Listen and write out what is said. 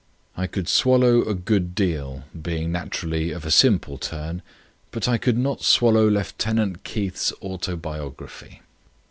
I could swallow a good deal, being naturally of a simple turn, but I could not swallow Lieutenant Keith's autobiography.